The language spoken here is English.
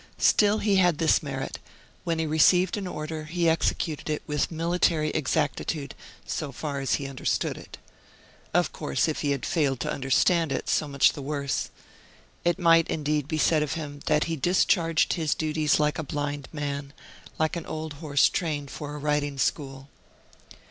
Still he had this merit, when he received an order he executed it with military exactitude, so far as he understood it. Of course if he had failed to understand it, so much the worse. It might, indeed, be said of him, that he discharged his duties like a blind man, like an old horse trained for a riding school.